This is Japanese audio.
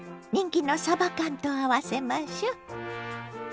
人気のさば缶と合わせましょ。